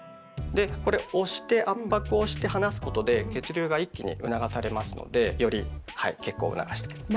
でこれ押して圧迫をして離すことで血流が一気に促されますのでより血行を促していきます。